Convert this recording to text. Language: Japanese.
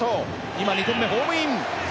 今、２点目ホームイン。